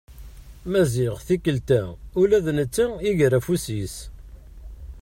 Maziɣ tikkelt-a ula d netta iger afus-is.